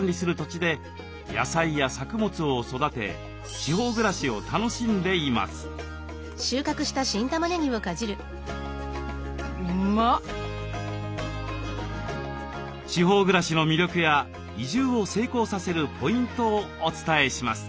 地方暮らしの魅力や移住を成功させるポイントをお伝えします。